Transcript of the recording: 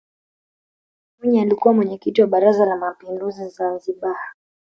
mwinyi alikuwa mwenyekiti wa baraza la mapinduzi zanzibar